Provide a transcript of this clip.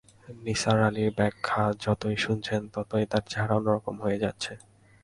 নিসার আলির ব্যাখ্যা যতই শুনছেন ততই তাঁর চেহারা অন্য রকম হয়ে যাচ্ছে।